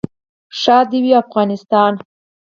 ښاد دې وي افغانستان.